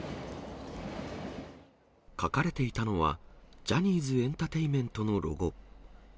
書かれていたのは、ジャニーズ・エンタテイメントのロゴ。